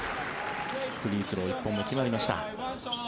フリースロー、１本目決まりました。